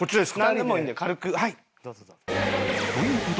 なんでもいいんで軽く。